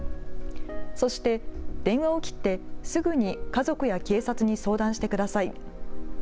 そして電話を切って、すぐに家族や警察に相談してください。